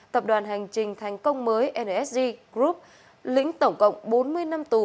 tập đoàn hành trình thành công mới nsg group lĩnh tổng cộng bốn mươi năm tù